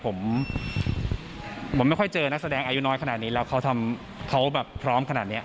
ผมผมไม่ค่อยเจอนักแสดงอายุน้อยขนาดนี้แล้วเขาแบบพร้อมขนาดนี้